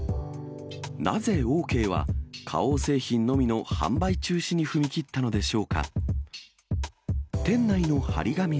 なぜオーケーは花王製品のみの販売中止に踏み切ったのでしょうか。